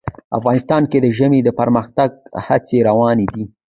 افغانستان کې د ژبې د پرمختګ هڅې روانې دي.